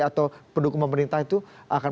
atau pendukung pemerintah itu akan